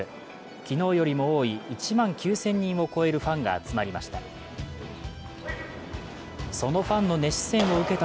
昨日よりも多い１万９０００人を超えるファンが集まりました。